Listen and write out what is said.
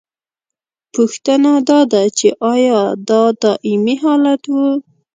پوښتنه دا ده چې ایا دا دائمي حالت و؟